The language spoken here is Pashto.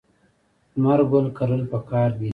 لمر ګل کرل پکار دي.